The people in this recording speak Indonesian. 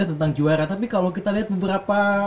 tentang juara tapi kalau kita lihat beberapa